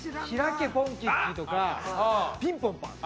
ポンキッキ』とか『ピンポンパン』。